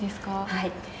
はい。